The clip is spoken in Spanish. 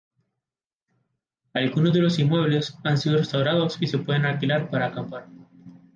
Algunos de los inmuebles han sido restaurados y se pueden alquilar para acampar.